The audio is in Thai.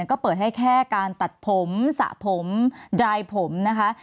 ก็เปิดให้แค่การตัดผมสระผมดรายผมนะคะ